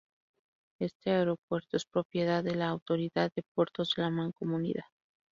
Este aeropuerto es propiedad de la Autoridad de Puertos de la Mancomunidad.